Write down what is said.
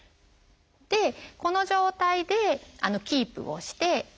でこの状態でキープをして。